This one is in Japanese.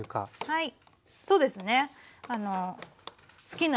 はい。